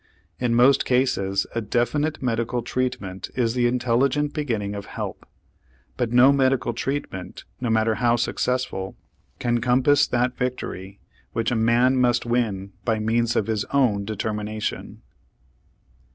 In most cases a definite medical treatment is the intelligent beginning of help, but no medical treatment, no matter how successful, can compass that victory which a man must win by means of his own determination.